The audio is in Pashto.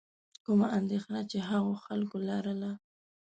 کومه اندېښنه چې هغو خلکو لرله.